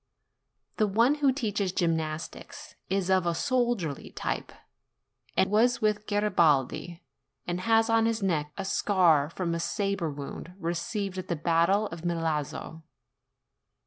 The one who teaches gymnastics is of a soldierly type, and was with Garibaldi, and has on his neck a scar from a sabre wound received at the battle of Milazzo.